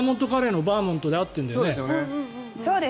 バーモントカレーのバーモントで合っているんだよね？